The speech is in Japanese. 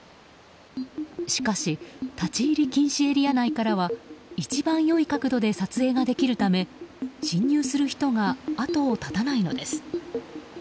しかし立ち入り禁止エリア内からは一番良い角度で撮影ができるため侵入する人が後を絶たないのです。